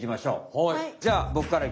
はい。